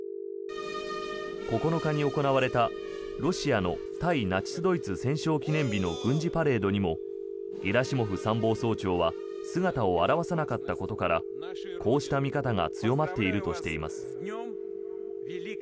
９日に行われたロシアの対ナチス・ドイツ戦勝記念日の軍事パレードにもゲラシモフ参謀総長は姿を現さなかったことからこうした見方が強まっているとしています。